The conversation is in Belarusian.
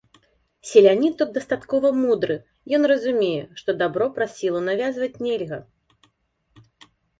Селянін тут дастаткова мудры, ён разумее, што дабро праз сілу навязваць нельга.